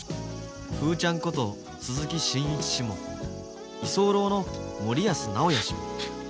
フーちゃんこと鈴木伸一氏も居候の森安直哉氏も。